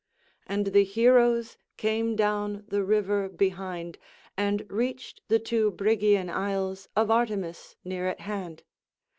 And the heroes came down the river behind and reached the two Brygean isles of Artemis near at hand.